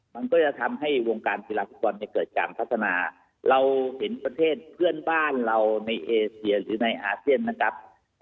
มันก็จะทำให้วงการกีฬาฟุตบอลเนี่ยเกิดการพัฒนาเราเห็นประเทศเพื่อนบ้านเราในเอเชียหรือในอาเซียนนะครับ